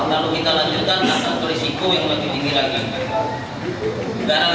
lalu kita lanjutkan akan berisiko yang lebih tinggi lagi